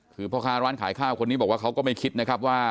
คือพ่อค้าร้านขายข้าวคนนี้บอกว่าเขาก็ไม่คิดนะครับว่า